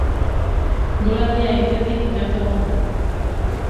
Gol handia egitetik gertu egon da.